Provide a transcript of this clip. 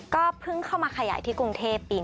ก็เพิ่งเข้ามาขยายที่กรุงเทพเอง